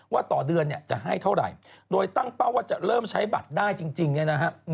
ต่อเดือนเนี่ยจะให้เท่าไหร่โดยตั้งเป้าว่าจะเริ่มใช้บัตรได้จริงเนี่ยนะฮะ